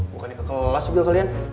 bukannya ke kelas juga kalian